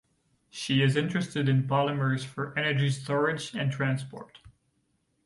She is interested in polymers for energy storage and transport.